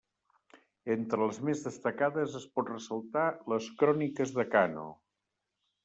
Entre les més destacades es pot ressaltar les Cròniques de Kano.